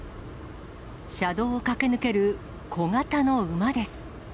車道を駆け抜ける小型の馬です。